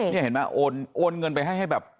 นี่เห็นไหมโอนเงินไปให้แบบ